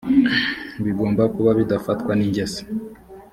bigomba kuba bidafatwa n ingese